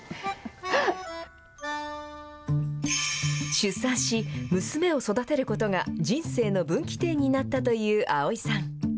出産し、娘を育てることが人生の分岐点になったという蒼井さん。